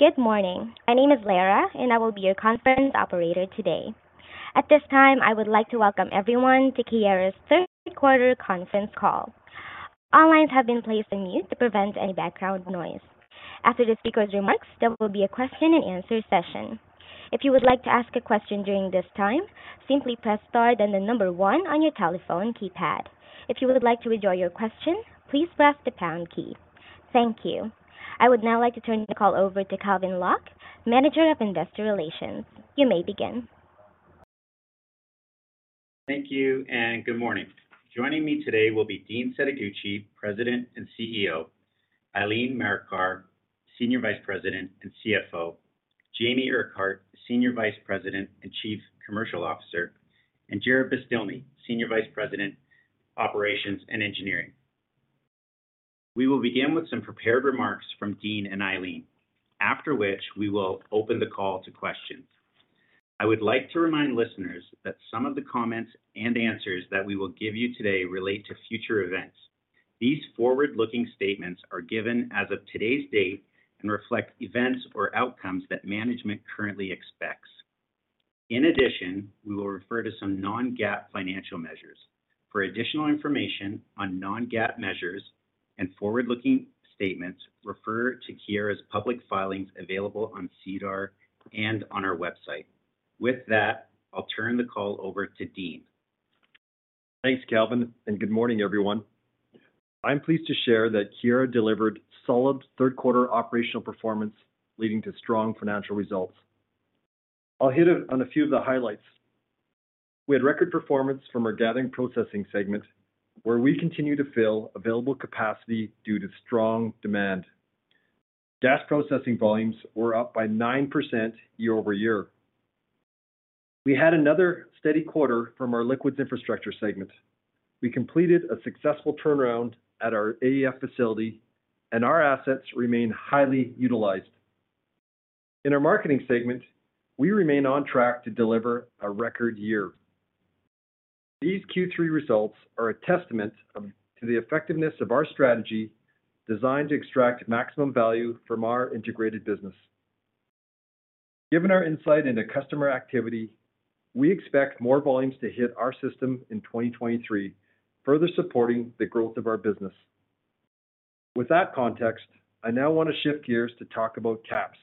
Good morning. My name is Lara, and I will be your conference operator today. At this time, I would like to welcome everyone to Keyera's third quarter conference call. All lines have been placed on mute to prevent any background noise. After the speakers' remarks, there will be a question-and-answer session. If you would like to ask a question during this time, simply press star then the number one on your telephone keypad. If you would like to withdraw your question, please press the pound key. Thank you. I would now like to turn the call over to Calvin Locke, Manager, Investor Relations. You may begin. Thank you and good morning. Joining me today will be Dean Setoguchi, President and CEO; Eileen Marikar, Senior Vice President and CFO; Jamie Urquhart, Senior Vice President and Chief Commercial Officer; and Jarrod Beztilny, Senior Vice President, Operations and Engineering. We will begin with some prepared remarks from Dean and Eileen, after which we will open the call to questions. I would like to remind listeners that some of the comments and answers that we will give you today relate to future events. These forward-looking statements are given as of today's date and reflect events or outcomes that management currently expects. In addition, we will refer to some non-GAAP financial measures. For additional information on non-GAAP measures and forward-looking statements, refer to Keyera's public filings available on SEDAR and on our website. With that, I'll turn the call over to Dean. Thanks, Calvin, and good morning, everyone. I'm pleased to share that Keyera delivered solid third-quarter operational performance, leading to strong financial results. I'll hit on a few of the highlights. We had record performance from our Gathering and Processing segment, where we continue to fill available capacity due to strong demand. Gas processing volumes were up by 9% year-over-year. We had another steady quarter from our Liquids Infrastructure segment. We completed a successful turnaround at our AEF facility, and our assets remain highly utilized. In our marketing segment, we remain on track to deliver a record year. These Q3 results are a testament to the effectiveness of our strategy, designed to extract maximum value from our integrated business. Given our insight into customer activity, we expect more volumes to hit our system in 2023, further supporting the growth of our business. With that context, I now want to shift gears to talk about KAPS,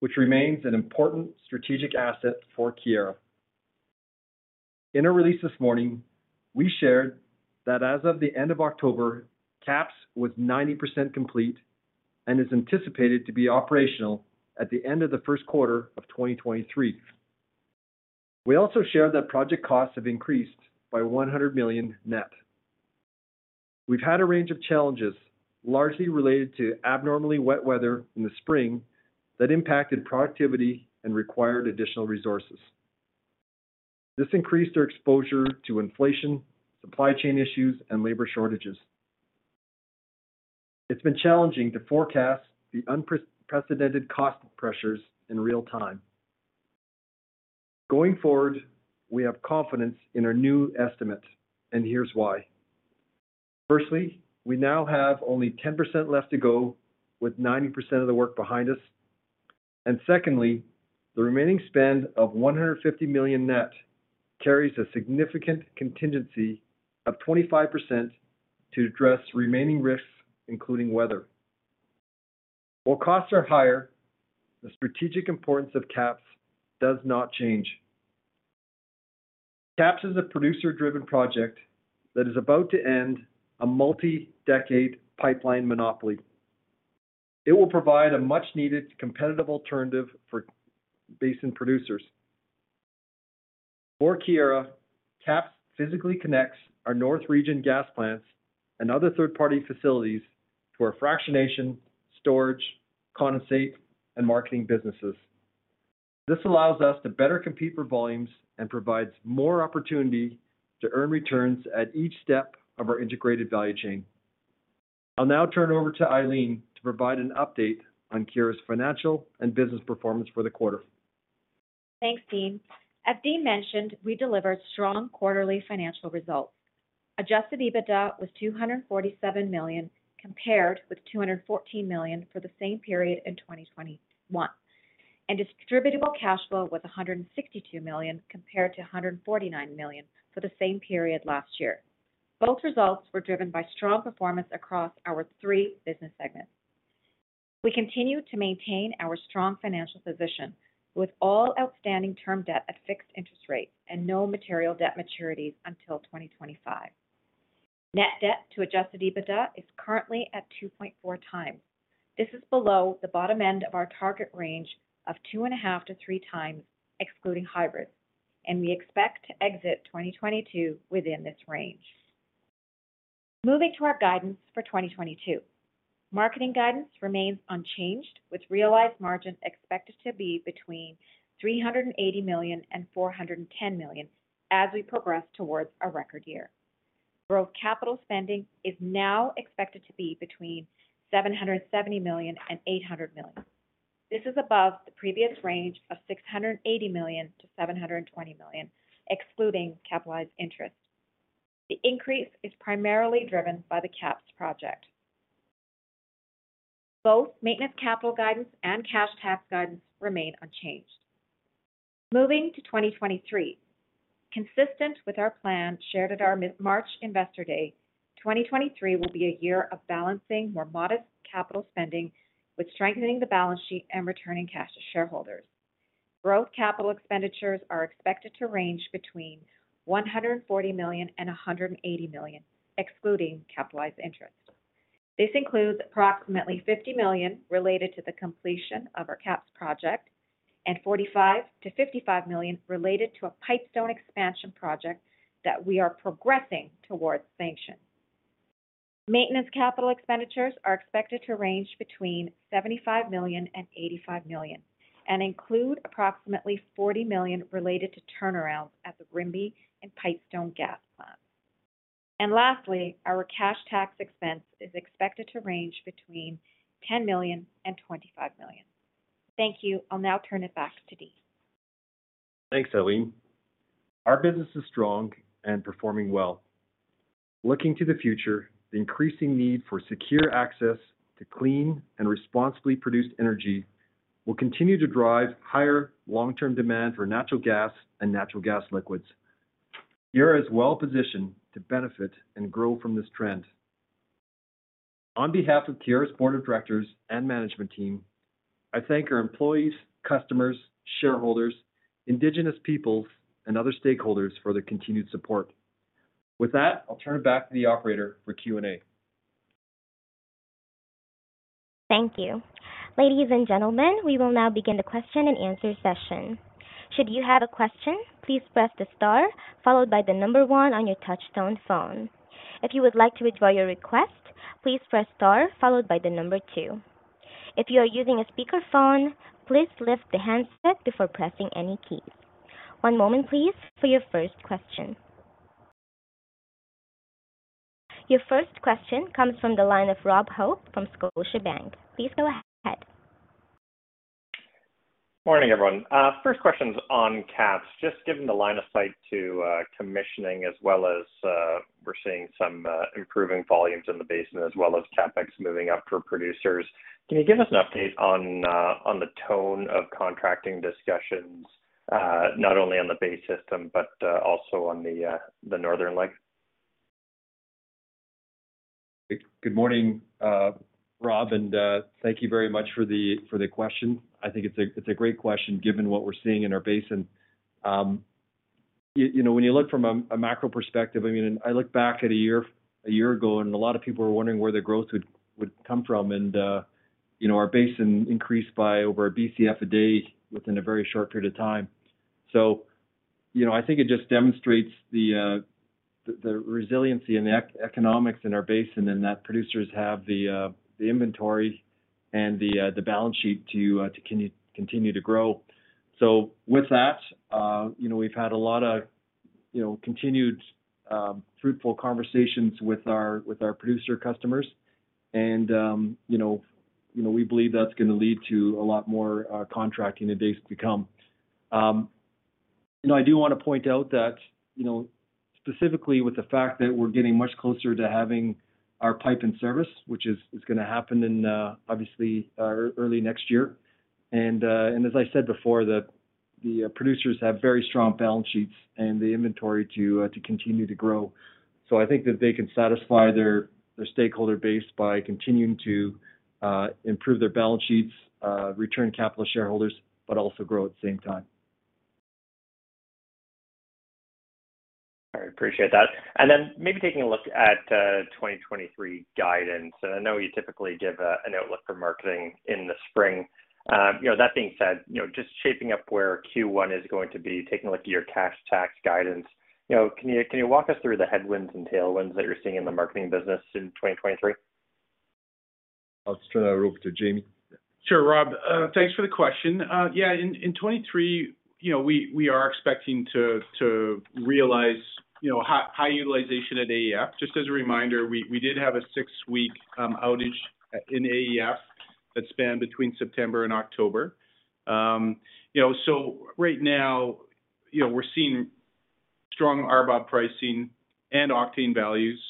which remains an important strategic asset for Keyera. In a release this morning, we shared that as of the end of October, KAPS was 90% complete and is anticipated to be operational at the end of the first quarter of 2023. We also shared that project costs have increased by 100 million net. We've had a range of challenges, largely related to abnormally wet weather in the spring that impacted productivity and required additional resources. This increased our exposure to inflation, supply chain issues, and labor shortages. It's been challenging to forecast the unprecedented cost pressures in real time. Going forward, we have confidence in our new estimate, and here's why. Firstly, we now have only 10% left to go with 90% of the work behind us. Secondly, the remaining spend of 150 million net carries a significant contingency of 25% to address remaining risks, including weather. While costs are higher, the strategic importance of KAPS does not change. KAPS is a producer-driven project that is about to end a multi-decade pipeline monopoly. It will provide a much-needed competitive alternative for basin producers. For Keyera, KAPS physically connects our north region gas plants and other third-party facilities to our fractionation, storage, condensate, and marketing businesses. This allows us to better compete for volumes and provides more opportunity to earn returns at each step of our integrated value chain. I'll now turn over to Eileen to provide an update on Keyera's financial and business performance for the quarter. Thanks, Dean. As Dean mentioned, we delivered strong quarterly financial results. Adjusted EBITDA was CAD 247 million, compared with CAD 214 million for the same period in 2021. Distributable cash flow was CAD 162 million, compared to CAD 149 million for the same period last year. Both results were driven by strong performance across our three business segments. We continue to maintain our strong financial position with all outstanding term debt at fixed interest rates and no material debt maturities until 2025. Net debt to adjusted EBITDA is currently at 2.4 times. This is below the bottom end of our target range of 2.5x-3x, excluding hybrids, and we expect to exit 2022 within this range. Moving to our guidance for 2022. Marketing guidance remains unchanged, with realized margins expected to be between 380 million and 410 million as we progress towards a record year. Growth capital spending is now expected to be between 770 million and 800 million. This is above the previous range of 680 million to 720 million, excluding capitalized interest. The increase is primarily driven by the KAPS project. Both maintenance capital guidance and cash tax guidance remain unchanged. Moving to 2023. Consistent with our plan shared at our mid-March Investor Day, 2023 will be a year of balancing more modest capital spending with strengthening the balance sheet and returning cash to shareholders. Growth capital expenditures are expected to range between 140 million and 180 million, excluding capitalized interest. This includes approximately 50 million related to the completion of our KAPS project and 45 million-55 million related to a Pipestone expansion project that we are progressing towards sanction. Maintenance capital expenditures are expected to range between 75 million and 85 million and include approximately 40 million related to turnarounds at the Rimbey and Pipestone gas plants. Lastly, our cash tax expense is expected to range between 10 million and 25 million. Thank you. I'll now turn it back to Dean. Thanks, Eileen. Our business is strong and performing well. Looking to the future, the increasing need for secure access to clean and responsibly produced energy will continue to drive higher long-term demand for natural gas and natural gas liquids. Keyera is well-positioned to benefit and grow from this trend. On behalf of Keyera's board of directors and management team, I thank our employees, customers, shareholders, indigenous peoples, and other stakeholders for their continued support. With that, I'll turn it back to the operator for Q&A. Thank you. Ladies and gentlemen, we will now begin the question-and-answer session. Should you have a question, please press the star followed by one on your touch tone phone. If you would like to withdraw your request, please press star followed by the number two. If you are using a speaker phone, please lift the handset before pressing any keys. One moment please for your first question. Your first question comes from the line of Rob Hope from Scotiabank. Please go ahead. Morning, everyone. First question's on KAPS. Just given the line of sight to commissioning as well as we're seeing some improving volumes in the basin as well as CapEx moving up for producers. Can you give us an update on on the tone of contracting discussions not only on the base system but also on the northern leg? Good morning, Rob, and thank you very much for the question. I think it's a great question given what we're seeing in our basin. You know, when you look from a macro perspective, I mean, I look back at a year ago, and a lot of people were wondering where the growth would come from. You know, our basin increased by over a Bcf a day within a very short period of time. You know, I think it just demonstrates the resiliency and the economics in our basin, and that producers have the inventory and the balance sheet to continue to grow. You know, we've had a lot of, you know, continued fruitful conversations with our producer customers. You know, we believe that's gonna lead to a lot more contracting in the days to come. You know, I do wanna point out that, you know, specifically with the fact that we're getting much closer to having our pipe in service, which is gonna happen in, obviously, early next year. As I said before, the producers have very strong balance sheets and the inventory to continue to grow. I think that they can satisfy their stakeholder base by continuing to improve their balance sheets, return capital to shareholders, but also grow at the same time. I appreciate that. Maybe taking a look at 2023 guidance. I know you typically give an outlook for Marketing in the spring. You know, that being said, you know, just shaping up where Q1 is going to be, taking a look at your cash tax guidance. You know, can you walk us through the headwinds and tailwinds that you're seeing in the Marketing business in 2023? I'll just turn that over to Jamie. Sure, Rob. Thanks for the question. Yeah, in 2023, you know, we are expecting to realize, you know, high utilization at AEF. Just as a reminder, we did have a six-week outage in AEF that spanned between September and October. You know, right now, you know, we're seeing strong RBOB pricing and octane values.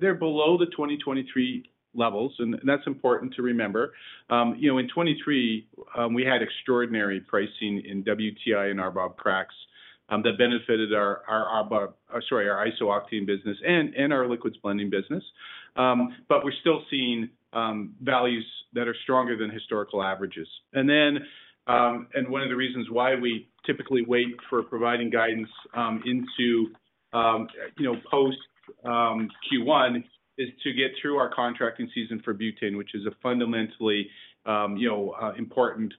They're below the 2023 levels, and that's important to remember. You know, in 2023, we had extraordinary pricing in WTI and RBOB cracks that benefited our iso-octane business and our liquids blending business. We're still seeing values that are stronger than historical averages. One of the reasons why we typically wait for providing guidance into you know post Q1 is to get through our contracting season for butane, which is a fundamentally you know important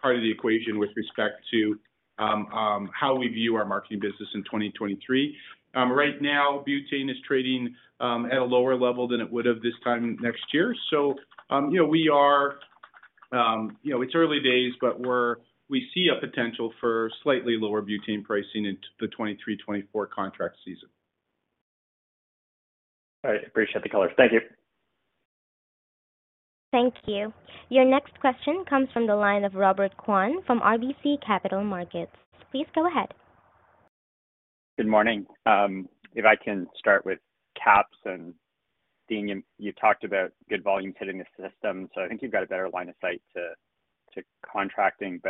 part of the equation with respect to how we view our marketing business in 2023. Right now, butane is trading at a lower level than it would have this time next year. You know it's early days, but we see a potential for slightly lower butane pricing into the 2023-2024 contract season. All right. Appreciate the color. Thank you. Thank you. Your next question comes from the line of Robert Kwan from RBC Capital Markets. Please go ahead. Good morning. If I can start with KAPS and Dean, you talked about good volumes hitting the system, so I think you've got a better line of sight to contracting.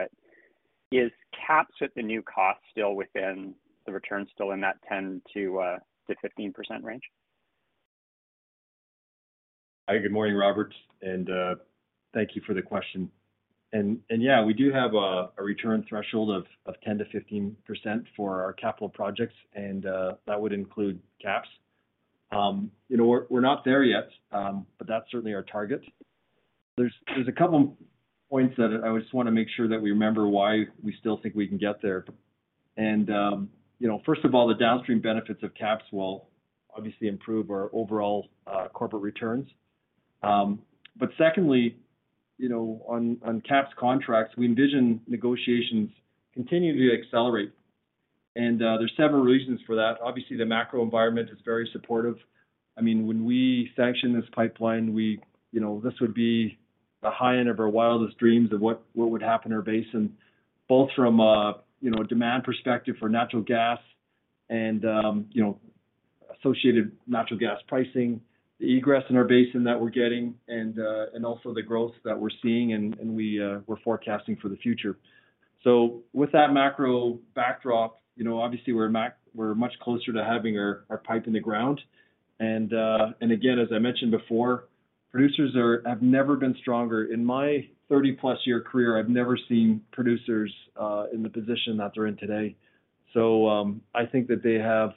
Is KAPS at the new cost still within the return still in that 10%-15% range? Hi, good morning, Robert, and thank you for the question. Yeah, we do have a return threshold of 10%-15% for our capital projects, and that would include KAPS. You know, we're not there yet, but that's certainly our target. There's a couple points that I just wanna make sure that we remember why we still think we can get there. You know, first of all, the downstream benefits of KAPS will obviously improve our overall corporate returns. But secondly, you know, on KAPS contracts, we envision negotiations continuing to accelerate. There's several reasons for that. Obviously, the macro environment is very supportive. I mean, when we sanctioned this pipeline, we, you know, this would be the high end of our wildest dreams of what would happen to our basin, both from a, you know, demand perspective for natural gas and, you know, associated natural gas pricing, the egress in our basin that we're getting and also the growth that we're seeing and we're forecasting for the future. With that macro backdrop, you know, obviously we're much closer to having our pipe in the ground. Again, as I mentioned before, producers have never been stronger. In my 30+ year career, I've never seen producers in the position that they're in today. I think that they have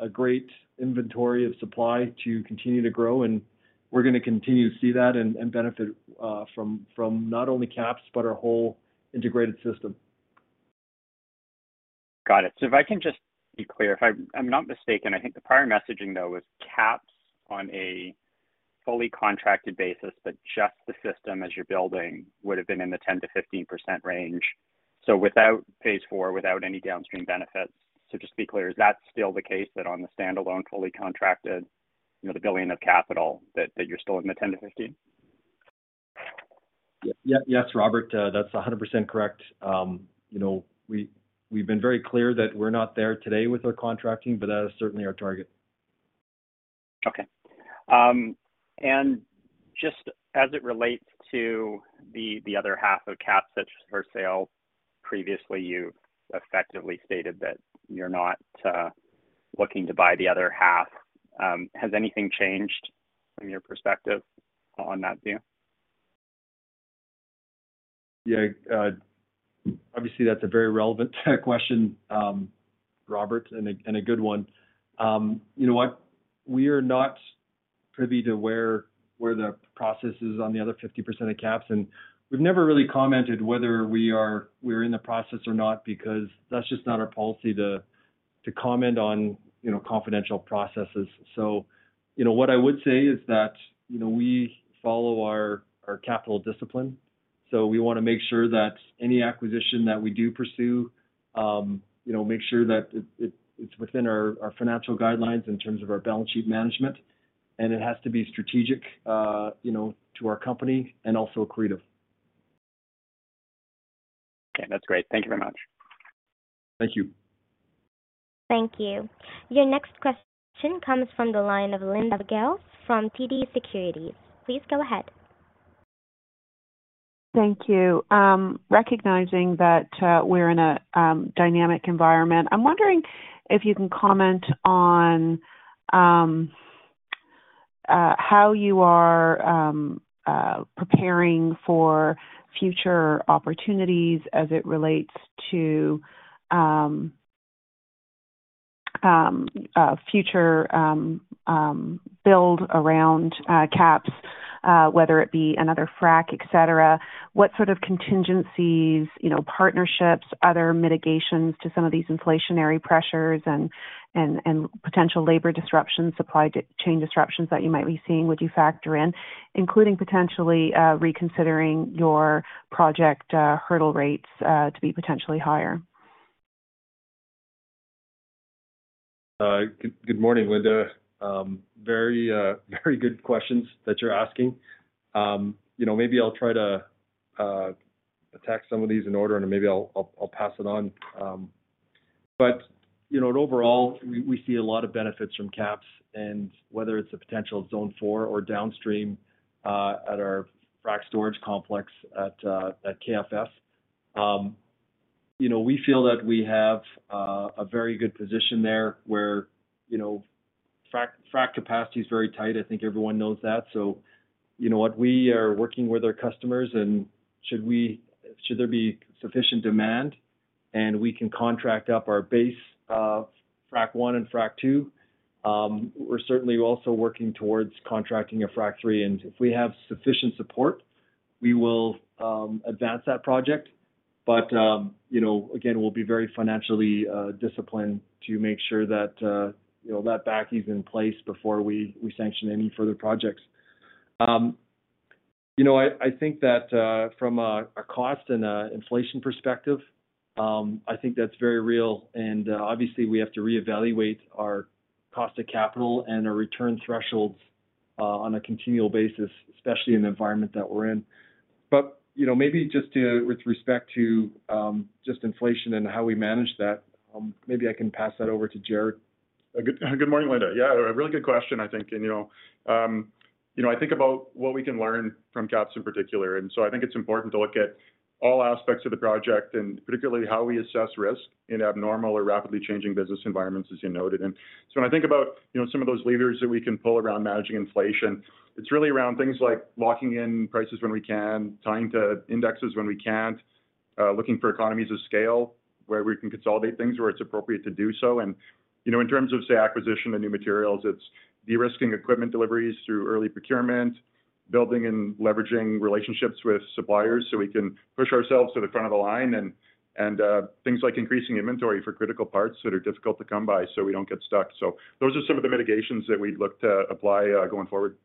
a great inventory of supply to continue to grow, and we're gonna continue to see that and benefit from not only KAPS but our whole integrated system. Got it. If I can just be clear. If I'm not mistaken, I think the prior messaging, though, was KAPS on a fully contracted basis, but just the system as you're building would have been in the 10%-15% range. Without phase four, without any downstream benefits. Just to be clear, is that still the case that on the standalone fully contracted, you know, the 1 billion of capital that you're still in the 10%-15%? Yes, Robert, that's 100% correct. You know, we've been very clear that we're not there today with our contracting, but that is certainly our target. Just as it relates to the other half of KAPS that were for sale previously, you effectively stated that you're not looking to buy the other half. Has anything changed from your perspective on that view? Yeah. Obviously, that's a very relevant question, Robert, and a good one. You know what? We are not privy to where the process is on the other 50% of KAPS, and we've never really commented whether we're in the process or not, because that's just not our policy to comment on confidential processes. You know, what I would say is that we follow our capital discipline. We wanna make sure that any acquisition that we do pursue, you know, make sure that it's within our financial guidelines in terms of our balance sheet management, and it has to be strategic to our company and also accretive. Okay, that's great. Thank you very much. Thank you. Thank you. Your next question comes from the line of Linda Ezergailis from TD Securities. Please go ahead. Thank you. Recognizing that we're in a dynamic environment, I'm wondering if you can comment on how you are preparing for future opportunities as it relates to future build around KAPS, whether it be another frac, etc. What sort of contingencies, you know, partnerships, other mitigations to some of these inflationary pressures and potential labor disruptions, supply chain disruptions that you might be seeing would you factor in, including potentially reconsidering your project hurdle rates to be potentially higher? Good morning, Linda. Very good questions that you're asking. You know, maybe I'll try to attack some of these in order, and then maybe I'll pass it on. You know, overall, we see a lot of benefits from KAPS and whether it's a potential Zone 4 or downstream at our fractionation storage complex at KFS. You know, we feel that we have a very good position there where, you know, KFS capacity is very tight. I think everyone knows that. You know what? We are working with our customers and should there be sufficient demand and we can contract up our base Fractionation 1 and Fractionation 2, we're certainly also working towards contracting a Frac 3, and if we have sufficient support, we will advance that project. You know, again, we'll be very financially disciplined to make sure that, you know, that backing is in place before we sanction any further projects. You know, I think that from a cost and a inflation perspective, I think that's very real. Obviously, we have to reevaluate our cost of capital and our return thresholds on a continual basis, especially in the environment that we're in. You know, maybe just with respect to just inflation and how we manage that, maybe I can pass that over to Jarrod. Good morning, Linda. Yeah, a really good question, I think. You know, I think about what we can learn from KAPS in particular. I think it's important to look at all aspects of the project, and particularly how we assess risk in abnormal or rapidly changing business environments, as you noted. When I think about, you know, some of those levers that we can pull around managing inflation, it's really around things like locking in prices when we can, tying to indexes when we can't, looking for economies of scale where we can consolidate things where it's appropriate to do so. You know, in terms of, say, acquisition of new materials, it's de-risking equipment deliveries through early procurement, building and leveraging relationships with suppliers so we can push ourselves to the front of the line, things like increasing inventory for critical parts that are difficult to come by so we don't get stuck. Those are some of the mitigations that we'd look to apply going forward.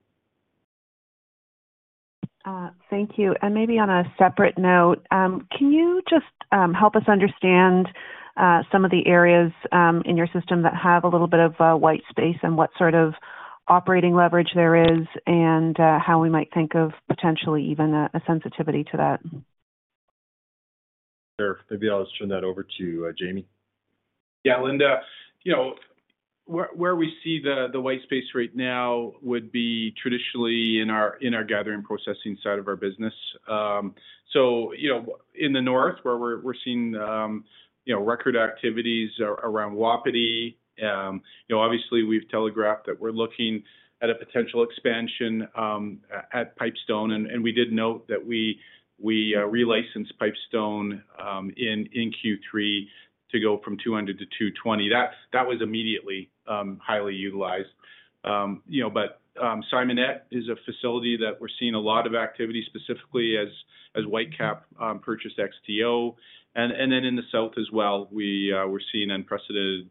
Thank you. Maybe on a separate note, can you just help us understand some of the areas in your system that have a little bit of white space and what sort of operating leverage there is, and how we might think of potentially even a sensitivity to that? Sure. Maybe I'll just turn that over to Jamie. Yeah, Linda. You know, where we see the white space right now would be traditionally in our Gathering and Processing side of our business. You know, in the north where we're seeing record activities around Wapiti. You know, obviously we've telegraphed that we're looking at a potential expansion at Pipestone. We did note that we relicensed Pipestone in Q3 to go from 200 to 220. That was immediately highly utilized. You know, Simonette is a facility that we're seeing a lot of activity, specifically as Whitecap purchased XTO. In the south as well, we're seeing unprecedented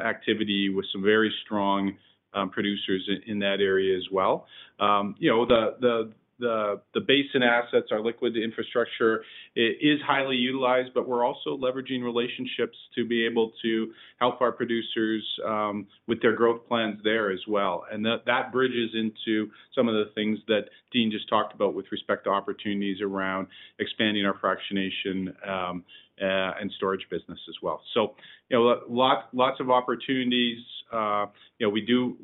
activity with some very strong producers in that area as well. You know, the basin assets, our Liquids Infrastructure is highly utilized, but we're also leveraging relationships to be able to help our producers with their growth plans there as well. That bridges into some of the things that Dean just talked about with respect to opportunities around expanding our fractionation and storage business as well. You know, lots of opportunities. You know, we do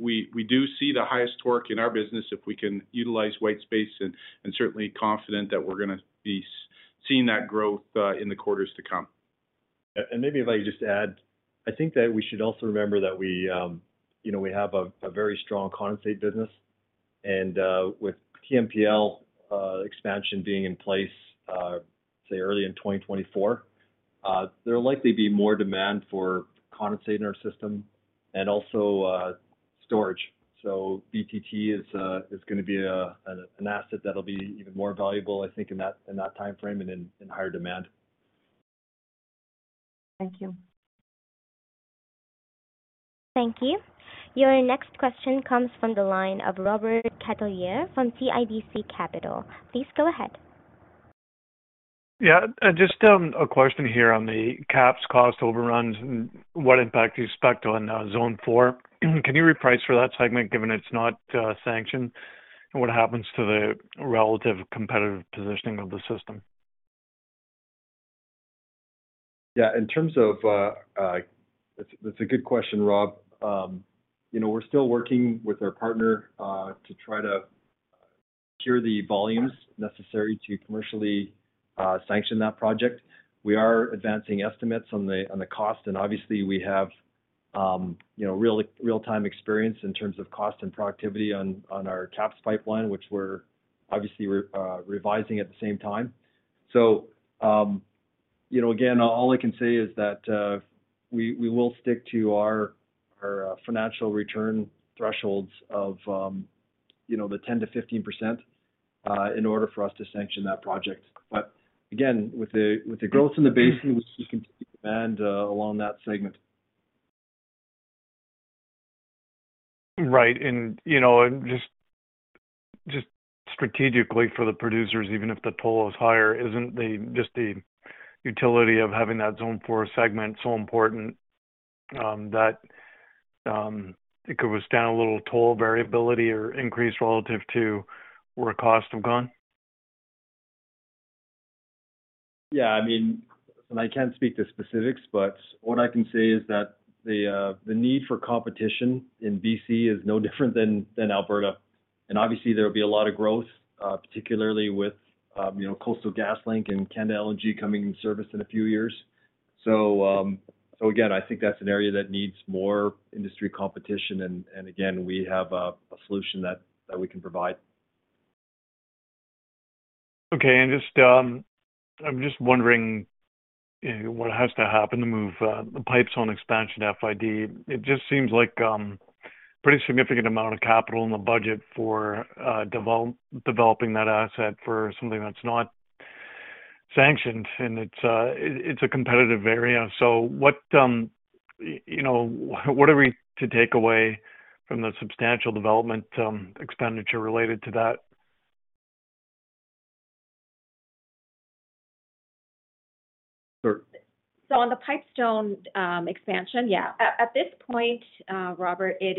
see the highest torque in our business if we can utilize white space and certainly confident that we're gonna be seeing that growth in the quarters to come. Maybe if I could just add, I think that we should also remember that we, you know, we have a very strong condensate business. With TMPL expansion being in place, say early in 2024, there'll likely be more demand for condensate in our system and also storage. BTT is gonna be an asset that'll be even more valuable, I think, in that timeframe and in higher demand. Thank you. Thank you. Your next question comes from the line of Robert Catellier from CIBC Capital Markets. Please go ahead. Yeah. Just a question here on the KAPS cost overruns. What impact do you expect on Zone 4? Can you reprice for that segment given it's not sanctioned? What happens to the relative competitive positioning of the system? Yeah. That's a good question, Rob. You know, we're still working with our partner to try to secure the volumes necessary to commercially sanction that project. We are advancing estimates on the cost, and obviously we have you know, real-time experience in terms of cost and productivity on our KAPS pipeline, which we're obviously revising at the same time. You know, again, all I can say is that we will stick to our financial return thresholds of you know, the 10%-15% in order for us to sanction that project. Again, with the growth in the basin, we see continued demand along that segment. Right. You know, just strategically for the producers, even if the toll is higher, isn't the just the utility of having that Zone 4 segment so important, that it could withstand a little toll variability or increase relative to where costs have gone? Yeah. I mean, I can't speak to specifics, but what I can say is that the need for competition in BC is no different than Alberta. Obviously there will be a lot of growth, particularly with you know, Coastal GasLink and LNG Canada coming in service in a few years. Again, I think that's an area that needs more industry competition. Again, we have a solution that we can provide. Okay. Just, I'm just wondering, you know, what has to happen to move the pipeline expansion to FID. It just seems like pretty significant amount of capital in the budget for developing that asset for something that's not sanctioned, and it's a competitive area. What, you know, what are we to take away from the substantial development expenditure related to that? On the Pipestone expansion, yeah. At this point, Robert, it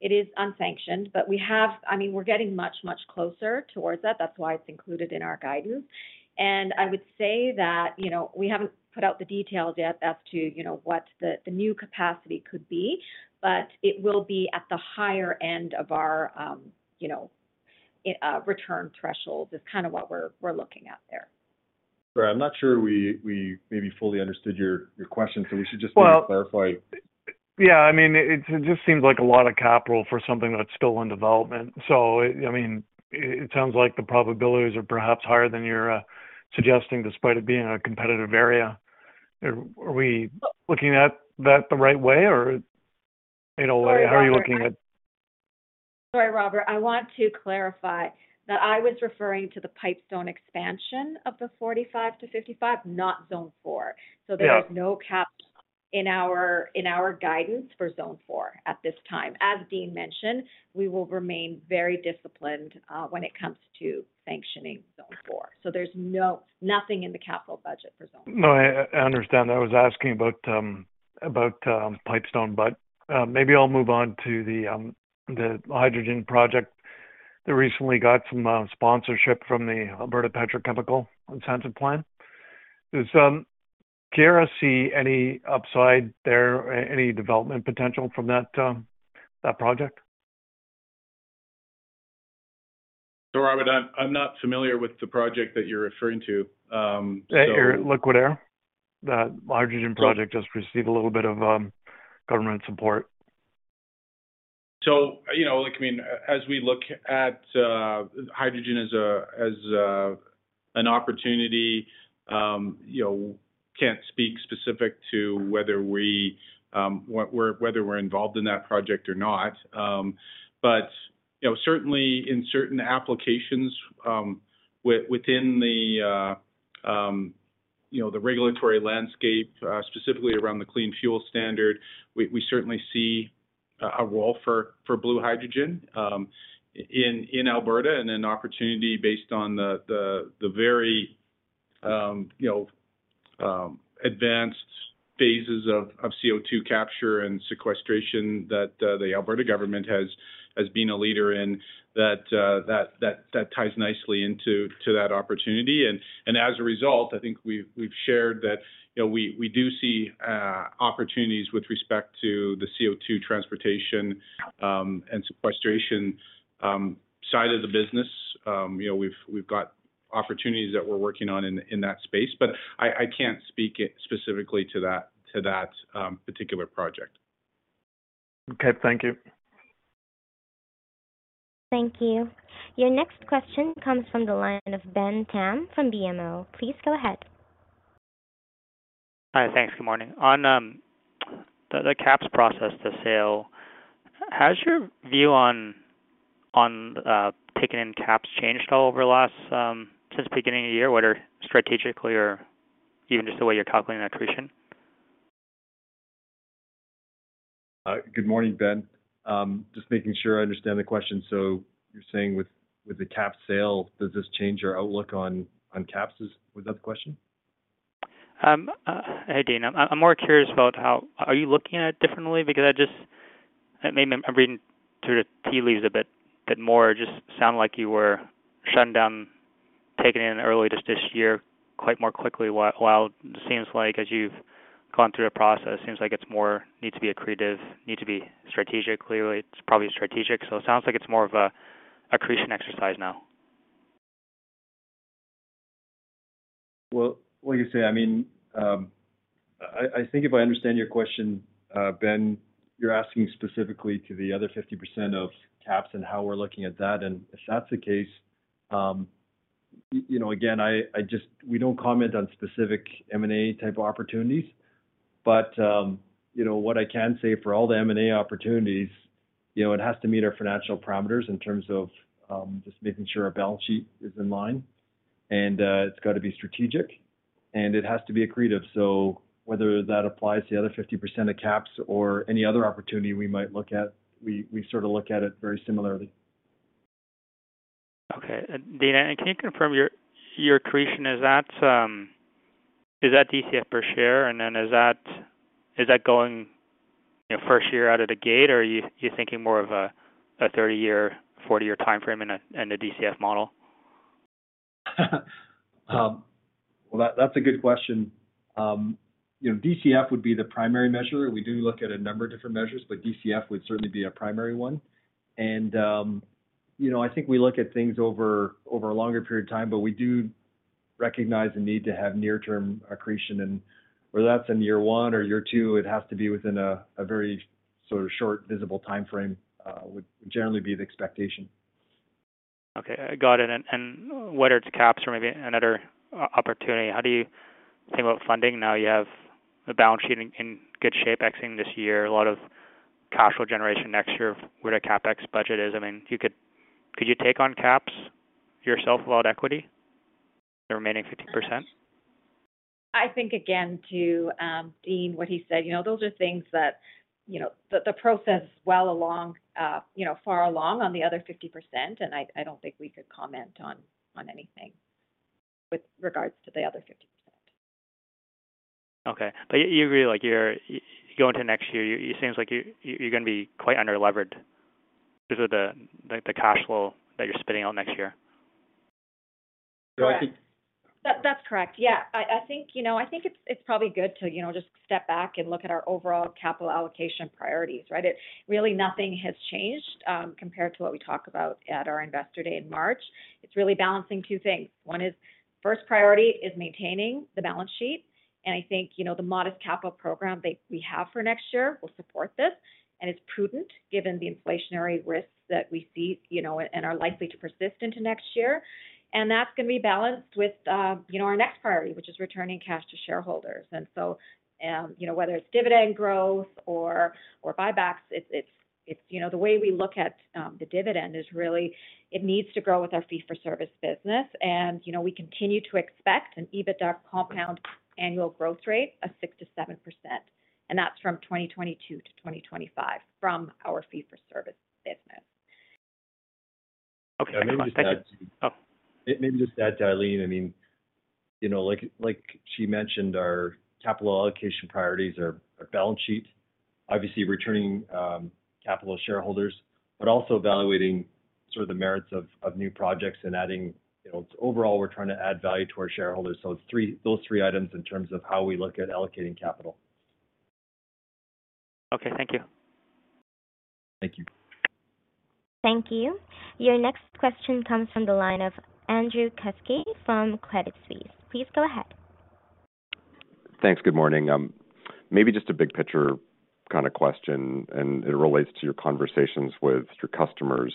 is unsanctioned, but we have I mean, we're getting much closer towards that. That's why it's included in our guidance. I would say that, you know, we haven't put out the details yet as to, you know, what the new capacity could be, but it will be at the higher end of our, you know, return threshold is kind of what we're looking at there. Sorry, I'm not sure we maybe fully understood your question, so we should just maybe clarify. Well, yeah, I mean, it just seems like a lot of capital for something that's still in development. I mean, it sounds like the probabilities are perhaps higher than you're suggesting, despite it being a competitive area. Are we looking at that the right way? Or, you know, how are you looking at? Sorry, Robert. I want to clarify that I was referring to the Pipestone expansion of the 45-55, not Zone 4. Yeah. There is no cap in our guidance for Zone 4 at this time. As Dean mentioned, we will remain very disciplined when it comes to sanctioning Zone 4. There's nothing in the capital budget for Zone 4. No, I understand. I was asking about Pipestone, but maybe I'll move on to the hydrogen project that recently got some sponsorship from the Alberta Petrochemicals Incentive Plan. Does Keyera see any upside there, any development potential from that project? Robert, I'm not familiar with the project that you're referring to. Air Liquide. That hydrogen project just received a little bit of government support. You know, like, I mean, as we look at hydrogen as an opportunity, you know, can't speak specific to whether we're involved in that project or not. But, you know, certainly in certain applications, within the, you know, the regulatory landscape, specifically around the Clean Fuel Standard, we certainly see a role for blue hydrogen, in Alberta and an opportunity based on the very advanced phases of CO2 capture and sequestration that the Alberta government has been a leader in, that ties nicely into that opportunity. As a result, I think we've shared that, you know, we do see opportunities with respect to the CO2 transportation and sequestration side of the business. You know, we've got opportunities that we're working on in that space, but I can't speak specifically to that particular project. Okay. Thank you. Thank you. Your next question comes from the line of Benjamin Pham from BMO. Please go ahead. Hi. Thanks. Good morning. On the KAPS process, the sale, has your view on taking on KAPS changed at all over the last since beginning of the year, whether strategically or even just the way you're calculating accretion? Good morning, Ben. Just making sure I understand the question. You're saying with the KAPS sale, does this change your outlook on KAPS? Was that the question? Hey, Dean. I'm more curious about how are you looking at it differently? Because I just maybe I'm reading through the tea leaves a bit more. Just sounded like you were shutting down, taking in early this year, quite more quickly, while it seems like as you've gone through a process, seems like it's more, need to be accretive, need to be strategic. Clearly, it's probably strategic. It sounds like it's more of an accretion exercise now. Well, like I say, I mean, I think if I understand your question, Ben, you're asking specifically to the other 50% of KAPS and how we're looking at that. If that's the case, you know, again, I just, we don't comment on specific M&A type opportunities. But, you know, what I can say for all the M&A opportunities, you know, it has to meet our financial parameters in terms of, just making sure our balance sheet is in line, and, it's got to be strategic, and it has to be accretive. Whether that applies to the other 50% of KAPS or any other opportunity we might look at, we sort of look at it very similarly. Okay. Dean, can you confirm your accretion? Is that DCF per share? Then is that going, you know, first year out of the gate, or are you thinking more of a 30-year, 40-year timeframe in a DCF model? Well, that's a good question. You know, DCF would be the primary measure. We do look at a number of different measures, but DCF would certainly be a primary one. You know, I think we look at things over a longer period of time, but we do recognize the need to have near-term accretion. Whether that's in year one or year two, it has to be within a very sort of short, visible timeframe would generally be the expectation. Okay. Got it. Whether it's KAPS or maybe another opportunity, how do you think about funding now you have a balance sheet in good shape exiting this year, a lot of cash flow generation next year, where the CapEx budget is? I mean, could you take on KAPS yourself without equity, the remaining 50%? I think again to Dean, what he said, you know, those are things that, you know, the process well along, you know, far along on the other 50%, and I don't think we could comment on anything with regards to the other 50%. Okay. You agree, like, you go into next year, it seems like you're gonna be quite under-levered because of the cash flow that you're spitting out next year. Correct. I think. That's correct. Yeah. I think, you know, it's probably good to, you know, just step back and look at our overall capital allocation priorities, right? Really nothing has changed, compared to what we talked about at our Investor Day in March. It's really balancing two things. One is, first priority is maintaining the balance sheet. I think, you know, the modest capital program that we have for next year will support this. It's prudent given the inflationary risks that we see, you know, and are likely to persist into next year. That's gonna be balanced with, you know, our next priority, which is returning cash to shareholders. You know, whether it's dividend growth or buybacks, it's. You know, the way we look at the dividend is really it needs to grow with our fee for service business. You know, we continue to expect an EBITDA compound annual growth rate of 6%-7%, and that's from 2022 to 2025 from our fee for service business. Okay. Thank you. Yeah. Maybe just to add to. Oh. Maybe just to add to Eileen, I mean, you know, like she mentioned, our capital allocation priorities are our balance sheet, obviously returning capital to shareholders, but also evaluating sort of the merits of new projects and adding value to our shareholders. Overall, we're trying to add value to our shareholders. Those three items in terms of how we look at allocating capital. Okay, thank you. Thank you. Thank you. Your next question comes from the line of Andrew Kuske from Credit Suisse. Please go ahead. Thanks. Good morning. Maybe just a big picture kind of question, and it relates to your conversations with your customers.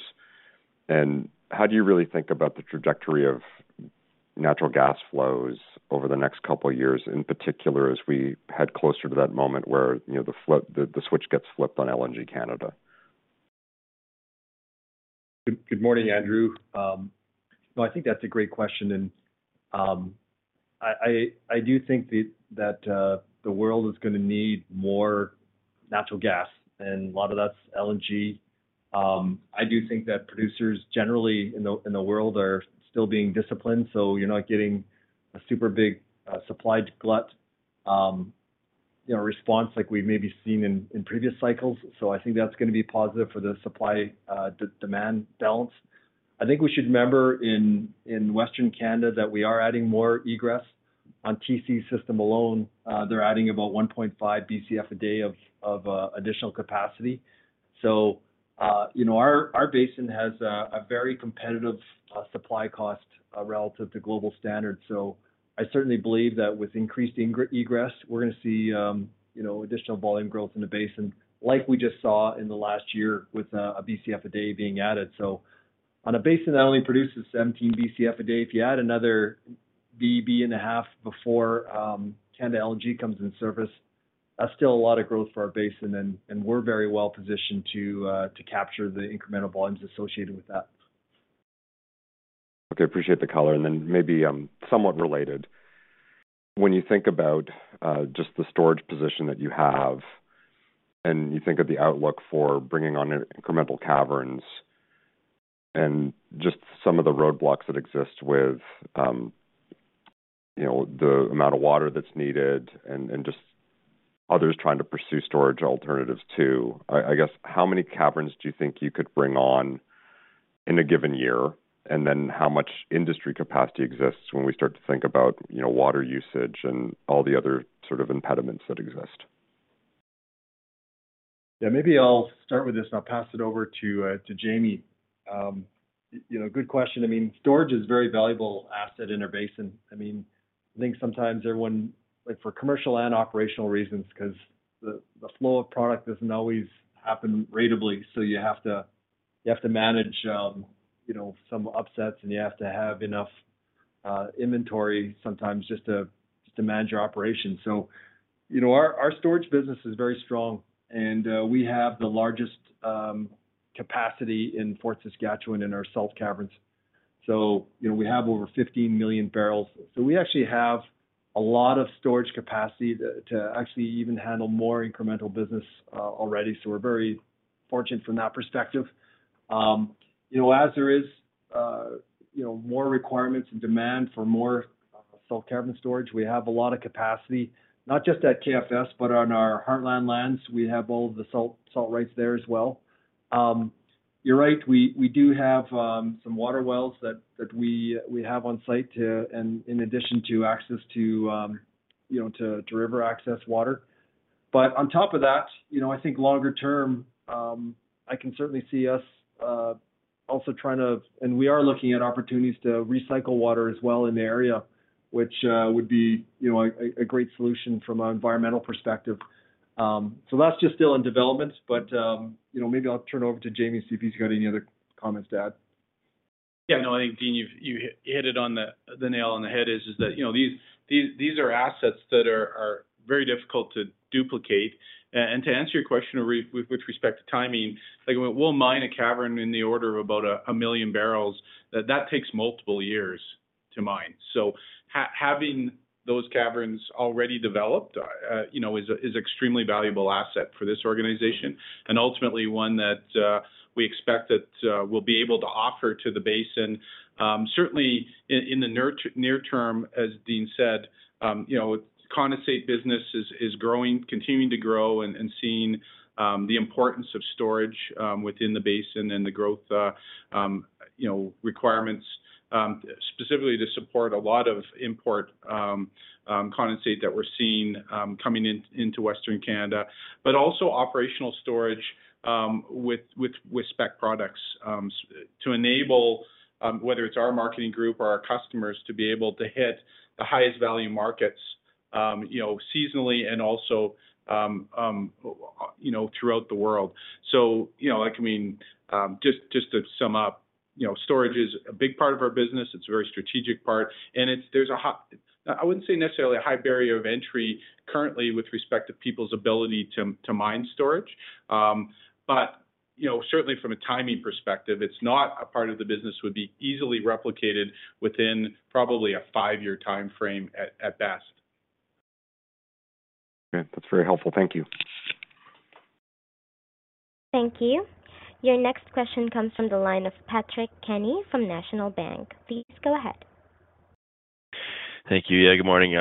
How do you really think about the trajectory of natural gas flows over the next couple of years, in particular, as we head closer to that moment where, you know, the switch gets flipped on LNG Canada? Good morning, Andrew. No, I think that's a great question. I do think that the world is gonna need more natural gas, and a lot of that's LNG. I do think that producers generally in the world are still being disciplined, so you're not getting a super big supply glut, you know, response like we've maybe seen in previous cycles. I think that's gonna be positive for the supply-demand balance. I think we should remember in Western Canada that we are adding more egress. On TC system alone, they're adding about 1.5 Bcf a day of additional capacity. You know, our basin has a very competitive supply cost relative to global standards. I certainly believe that with increased in– egress, we're gonna see additional volume growth in the basin like we just saw in the last year with a Bcf a day being added. On a basin that only produces 17 Bcf a day, if you add another Bcf and a half before LNG Canada comes in service, that's still a lot of growth for our basin and we're very well positioned to capture the incremental volumes associated with that. Okay. Appreciate the color. Maybe, somewhat related. When you think about just the storage position that you have and you think of the outlook for bringing on incremental caverns and just some of the roadblocks that exist with, you know, the amount of water that's needed and just others trying to pursue storage alternatives too, I guess, how many caverns do you think you could bring on in a given year? How much industry capacity exists when we start to think about, you know, water usage and all the other sort of impediments that exist? Yeah. Maybe I'll start with this, and I'll pass it over to Jamie. You know, good question. I mean, storage is a very valuable asset in our basin. I mean, I think sometimes everyone, like, for commercial and operational reasons, 'cause the flow of product doesn't always happen ratably, so you have to manage you know, some upsets, and you have to have enough inventory sometimes just to manage your operations. You know, our storage business is very strong, and we have the largest capacity in Fort Saskatchewan in our salt caverns. You know, we have over 15 million barrels. We actually have a lot of storage capacity to actually even handle more incremental business already. We're very fortunate from that perspective. You know, as there is you know more requirements and demand for more salt cavern storage, we have a lot of capacity, not just at KFS, but on our Heartland lands. We have all of the salt rights there as well. You're right, we do have some water wells that we have on site in addition to access to you know river access water. But on top of that, you know, I think longer term, I can certainly see us also and we are looking at opportunities to recycle water as well in the area, which would be you know a great solution from an environmental perspective. That's just still in development. You know, maybe I'll turn it over to Jamie, see if he's got any other comments to add. Yeah. No, I think, Dean, you've hit the nail on the head, is that, you know, these are assets that are very difficult to duplicate. And to answer your question with respect to timing, like when we'll mine a cavern in the order of about 1 million barrels, that takes multiple years to mine. Having those caverns already developed, you know, is extremely valuable asset for this organization. Ultimately one that we expect that we'll be able to offer to the basin certainly in the near term, as Dean said, you know, condensate business is growing continuing to grow and seeing the importance of storage within the basin and the growth you know requirements specifically to support a lot of imported condensate that we're seeing coming in into Western Canada. But also operational storage with spec products to enable whether it's our marketing group or our customers to be able to hit the highest value markets you know seasonally and also you know throughout the world. you know, like, I mean, just to sum up, you know, storage is a big part of our business. It's a very strategic part, and it's. I wouldn't say necessarily a high barrier of entry currently with respect to people's ability to mine storage. But you know, certainly from a timing perspective, it's not a part of the business that would be easily replicated within probably a five-year timeframe at best. Okay. That's very helpful. Thank you. Thank you. Your next question comes from the line of Patrick Kenny from National Bank Financial. Please go ahead. Thank you. Yeah, good morning.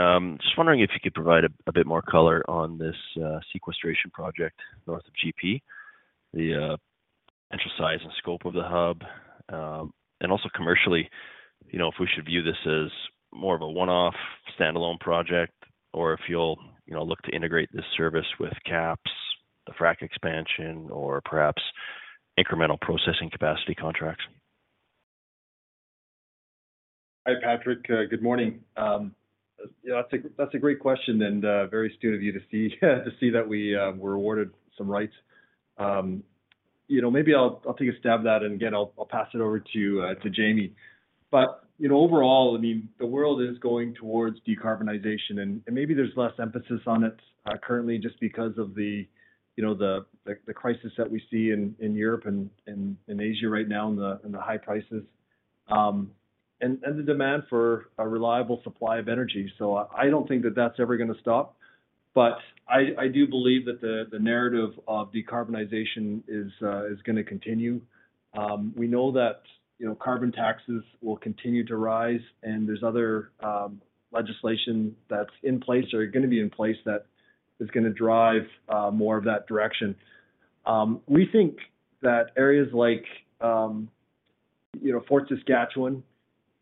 Just wondering if you could provide a bit more color on this sequestration project north of GP, the potential size and scope of the hub. Also commercially, you know, if we should view this as more of a one-off standalone project or if you'll, you know, look to integrate this service with KAPS, the frac expansion or perhaps incremental processing capacity contracts. Hi, Patrick. Good morning. Yeah, that's a great question, and very astute of you to see that we were awarded some rights. You know, maybe I'll take a stab at that, and again, I'll pass it over to Jamie. You know, overall, I mean, the world is going towards decarbonization and maybe there's less emphasis on it currently just because of the crisis that we see in Europe and in Asia right now and the high prices and the demand for a reliable supply of energy. I don't think that that's ever gonna stop. I do believe that the narrative of decarbonization is gonna continue. We know that, you know, carbon taxes will continue to rise and there's other legislation that's in place or gonna be in place that is gonna drive more of that direction. We think that areas like, you know, Fort Saskatchewan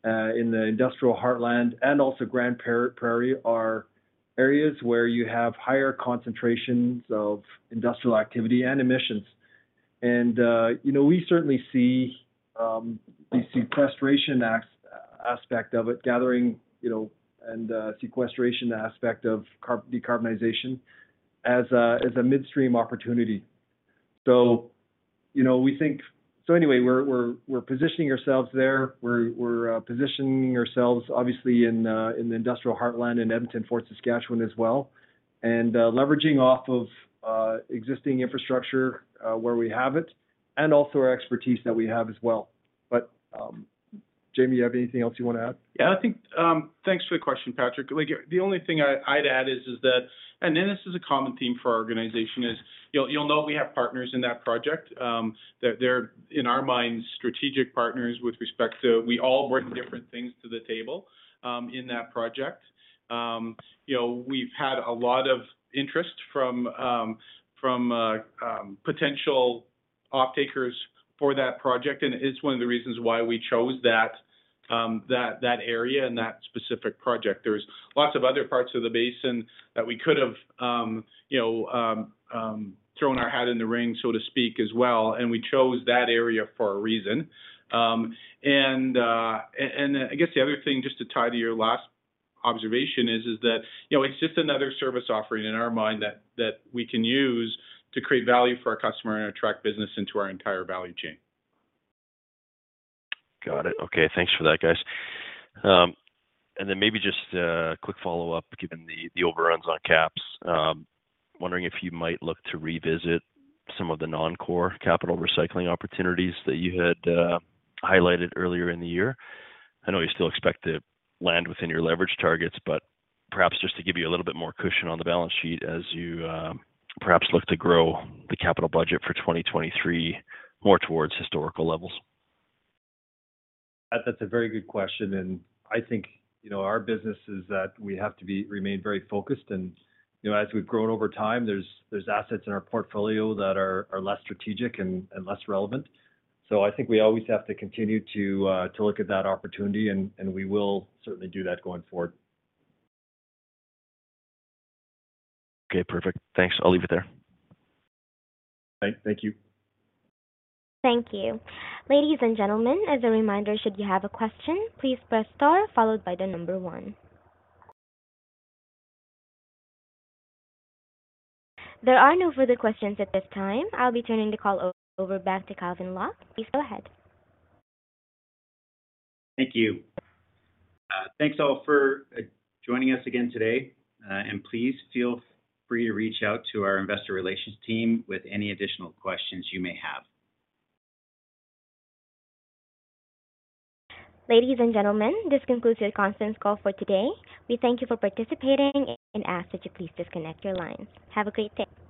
in the Industrial Heartland and also Grande Prairie are areas where you have higher concentrations of industrial activity and emissions. You know, we certainly see sequestration aspect of it gathering, you know, and sequestration aspect of decarbonization as a midstream opportunity. Anyway, we're positioning ourselves there. We're positioning ourselves obviously in the Industrial Heartland in Edmonton, Fort Saskatchewan as well, and leveraging off of existing infrastructure where we have it and also our expertise that we have as well. Jamie, you have anything else you wanna add? Yeah, I think, thanks for the question, Patrick. Like the only thing I'd add is that. Then this is a common theme for our organization is, you'll know we have partners in that project, that they're in our minds, strategic partners with respect to we all bring different things to the table, in that project. You know, we've had a lot of interest from potential off-takers for that project, and it is one of the reasons why we chose that area and that specific project. There's lots of other parts of the basin that we could have, you know, thrown our hat in the ring, so to speak, as well, and we chose that area for a reason. I guess the other thing just to tie to your last observation is that, you know, it's just another service offering in our mind that we can use to create value for our customer and attract business into our entire value chain. Got it. Okay. Thanks for that, guys. Maybe just a quick follow-up, given the overruns on KAPS. Wondering if you might look to revisit some of the non-core capital recycling opportunities that you had highlighted earlier in the year. I know you still expect to land within your leverage targets, but perhaps just to give you a little bit more cushion on the balance sheet as you perhaps look to grow the capital budget for 2023 more towards historical levels. That's a very good question, and I think, you know, our business is that we have to remain very focused and, you know, as we've grown over time, there's assets in our portfolio that are less strategic and less relevant. I think we always have to continue to look at that opportunity and we will certainly do that going forward. Okay, perfect. Thanks. I'll leave it there. Thank you. Thank you. Ladies and gentlemen, as a reminder, should you have a question, please press star followed by the number one. There are no further questions at this time. I'll be turning the call over back to Calvin Locke. Please go ahead. Thank you. Thanks all for joining us again today, and please feel free to reach out to our investor relations team with any additional questions you may have. Ladies and gentlemen, this concludes your conference call for today. We thank you for participating and ask that you please disconnect your lines. Have a great day.